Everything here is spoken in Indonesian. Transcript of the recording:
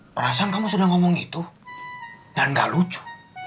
perasaan kamu sudah ngomong itu dan gak lucu